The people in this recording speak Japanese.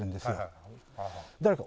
誰か。